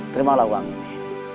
terimalah uang ini